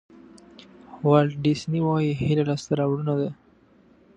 والټ ډیسني وایي هیله لاسته راوړنه ده.